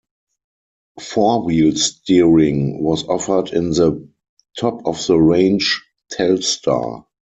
Four-wheel steering was offered in the top-of-the-range Telstar.